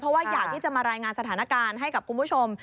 เพราะว่าอยากที่จะมารายงานสถานการณ์ให้กับคุณผู้ชม